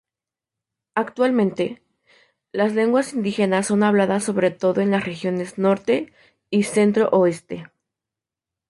Actualmente, las lenguas indígenas son habladas sobre todo en las regiones Norte y Centro-Oeste.